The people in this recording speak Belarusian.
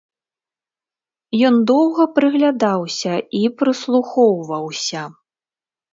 Ён доўга прыглядаўся і прыслухоўваўся.